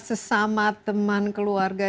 sesama teman keluarga